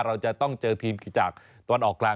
เราจะต้องเจอทีมจากตะวันออกกลาง